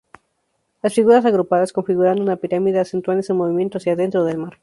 Las figuras agrupadas, configurando una pirámide, acentúan ese movimiento "hacia dentro" del mar.